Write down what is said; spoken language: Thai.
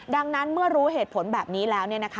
ดังนั้นเมื่อรู้เหตุผลแบบนี้แล้ว